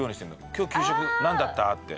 今日給食何だった？って。